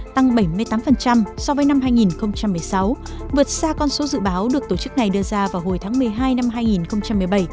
tăng bảy mươi tám so với năm hai nghìn một mươi sáu vượt xa con số dự báo được tổ chức này đưa ra vào hồi tháng một mươi hai năm hai nghìn một mươi bảy